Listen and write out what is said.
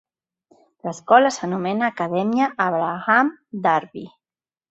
L'escola s'anomena Acadèmia Abraham Darby.